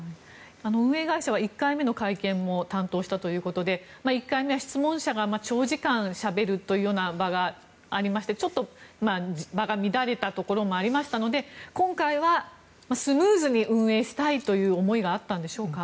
運営会社は１回目の会見も担当したということで１回目は質問者が長時間しゃべるという場がありまして場が乱れたところもあったので今回はスムーズに運営したいという思いがあったんでしょうか。